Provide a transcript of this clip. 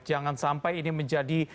jangan sampai ini menjadi